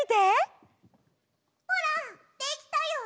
ほらできたよ！